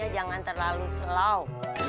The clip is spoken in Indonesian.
jangan terlalu slow